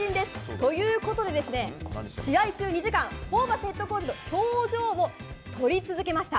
ということで、試合中２時間ホーバスヘッドコーチの表情を撮り続けました。